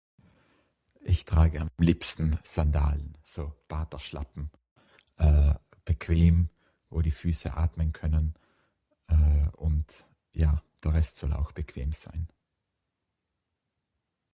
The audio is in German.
Ich trage am liebsten Sandalen, so Badeschlappen eh bequem wo die Füße atmen können eh und der Rest soll auch bequem sein.